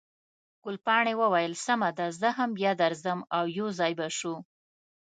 ګلپاڼې وویل، سمه ده، زه هم بیا درځم، او یو ځای به شو.